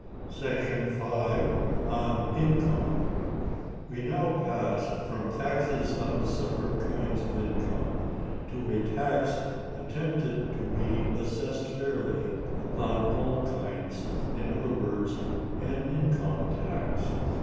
§ 5. —on Income. We now pass, from taxes on the separate kinds of income, to a tax attempted to be assessed fairly upon all kinds; in other words, an Income Tax.